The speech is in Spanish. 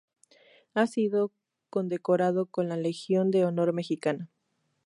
Ha sido condecorado con la Legión de Honor Mexicana.